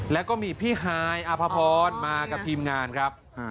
แล้วก็มีพี่ฮายอภพรมากับทีมงานครับ